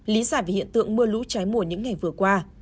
lý giải về hiện tượng mưa lũ trái mùa những ngày vừa qua